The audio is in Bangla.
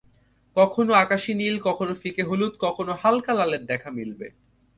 কখনো আকাশি নীল, কখনো ফিকে হলুদ, কখনো হালকা লালের দেখা মিলবে।